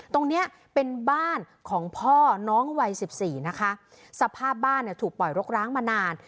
ตรงเนี้ยเป็นบ้านของพ่อน้องวัยสิบสี่นะคะสภาพบ้านเนี่ยถูกปล่อยรกร้างมานาน